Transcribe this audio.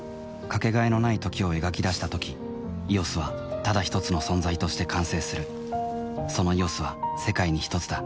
かけがえのない「時」を描き出したとき「ＥＯＳ」はただひとつの存在として完成するその「ＥＯＳ」は世界にひとつだ